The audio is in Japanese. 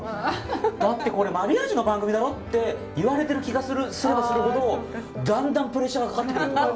だってこれマリアージュの番組だろ」って言われてる気がすればするほどだんだんプレッシャーがかかってくるとか。